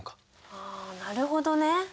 ああなるほどね。